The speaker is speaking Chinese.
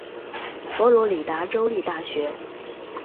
佛罗里达州立大学。